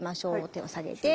手を下げて。